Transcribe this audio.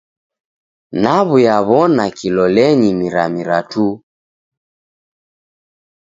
Naw'uyaw'ona a kilolenyi miramira tu.